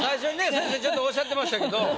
先生ちょっとおっしゃってましたけど。